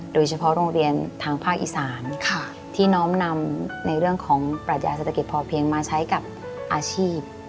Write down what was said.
โดยเฉพาะโรงเรียนทางภาคอีสานที่น้อมนำในเรื่องของปรัชญาเศรษฐกิจพอเพียงมาใช้กับอาชีพ